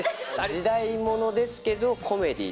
時代ものですけど、コメディー。